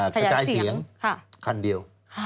ขยายเสียงขันเดียว